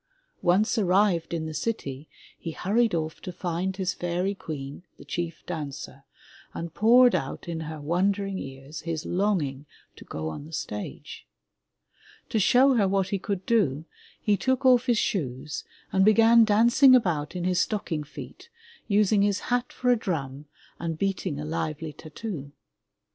Once arrived in the city, he hurried ofif to find his fairy queen, the chief dancer, and poured out in her wondering ears his long ing to go on the stage. To show her what he could do, he took off his shoes and began dancing about in his stocking feet, using his hat for a drum and beating a lively tattoo!